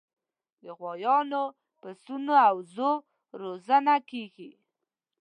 د غویانو، پسونو او وزو روزنه کیږي.